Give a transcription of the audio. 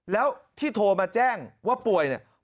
แล้วที่โทรมาแจ้งว่าป่วยเนี่ย